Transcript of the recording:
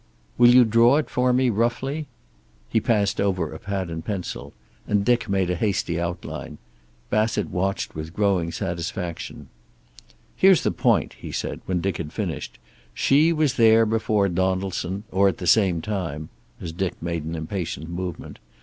"Will you draw it for me, roughly?" He passed over a pad and pencil, and Dick made a hasty outline. Bassett watched with growing satisfaction. "Here's the point," he said, when Dick had finished. "She was there before Donaldson, or at the same time," as Dick made an impatient movement.